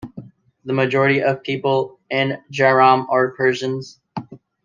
The majority of people in Jahrom are Persians.